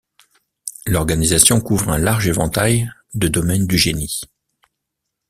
L'organisation couvre un large éventail de domaines du génie.